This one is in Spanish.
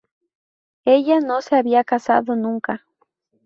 Ella no se había casado nunca.